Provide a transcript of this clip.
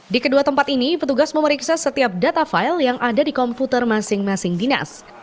di kedua tempat ini petugas memeriksa setiap data file yang ada di komputer masing masing dinas